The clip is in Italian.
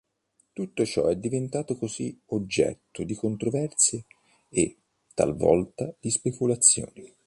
Tutto ciò è diventato così oggetto di controversie e, talvolta, di speculazioni.